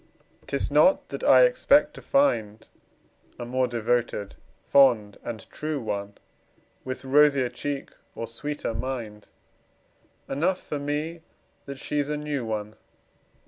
'Tis not that I expect to find A more devoted, fond and true one, With rosier cheek or sweeter mind Enough for me that she's a new one.